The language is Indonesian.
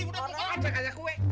udah tunggu ajak kaya gue